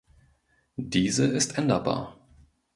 Diese ist änderbar.